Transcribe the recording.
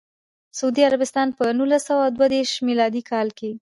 سعودي عربستان په نولس سوه دوه دیرش میلادي کال کې.